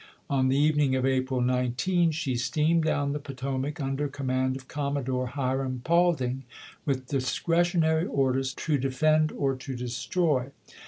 On the evening of April 19 she steamed down the Potomac under command of Commodore Hiram Paulding, with discretionary orders to defend or to destroy.